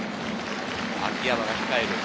秋山が控える。